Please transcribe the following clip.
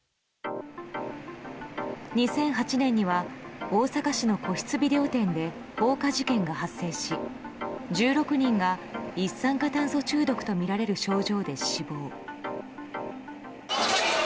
２００８年には大阪市の個室ビデオ店で放火事件が発生し１６人が一酸化炭素中毒とみられる症状で死亡。